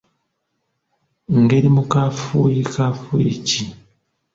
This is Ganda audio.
Ng’eri mu kafuuyi Kafuuyi ki?